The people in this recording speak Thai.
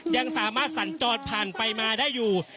ยังสามารถสัญจรผ่านไปมาได้อยู่